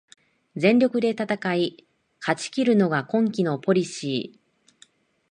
全力で戦い勝ちきるのが今季のポリシー